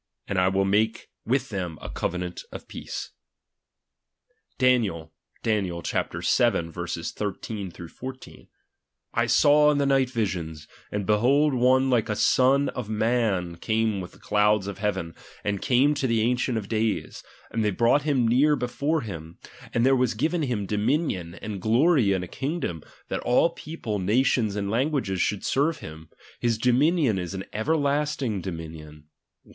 And I will make with them a covenant of peace, &c. Daniel (Dan. vii. 13 14) : I sawin'the night visions ; and behold one like the Son of Man came with the clouds (^heaven, and came to the ancient of days ; and they brought him near be fore him; and there was given him dominion, and glory, and a kingdom, that all people, nations, and languages should serve him ; his dominion is an everlasting dominion, &c.